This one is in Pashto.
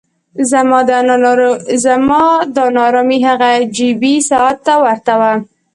زما دا نا ارامي هغه جیبي ساعت ته ورته وه.